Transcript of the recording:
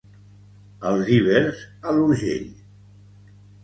"Els ibers a l'Urgell"